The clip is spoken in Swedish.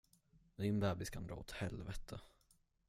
Och din bebis kan dra åt helvete!